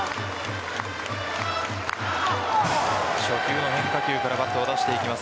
初球の変化球からバットを出していきます